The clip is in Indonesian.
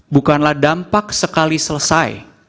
bukanlah dampak sekali selesai